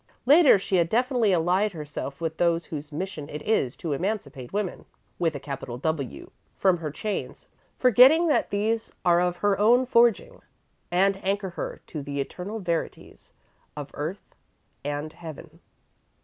Later she had definitely allied herself with those whose mission it is to emancipate Woman with a capital W from her chains, forgetting that these are of her own forging, and anchor her to the eternal verities of earth and heaven.